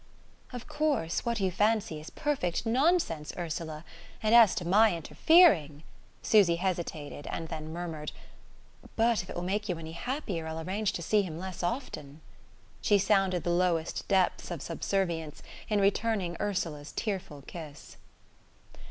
"Of course, what you fancy is perfect nonsense, Ursula; and as to my interfering " Susy hesitated, and then murmured: "But if it will make you any happier I'll arrange to see him less often...." She sounded the lowest depths of subservience in returning Ursula's tearful kiss....